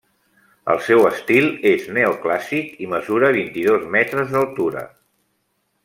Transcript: El seu estil és neoclàssic i mesura vint-i-dos metres d’altura.